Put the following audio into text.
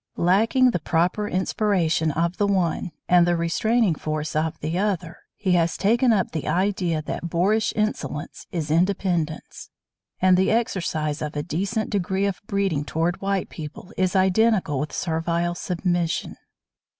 Lacking the proper inspiration of the one and the restraining force of the other he has taken up the idea that boorish insolence is independence, and the exercise of a decent degree of breeding toward white people is identical with servile submission.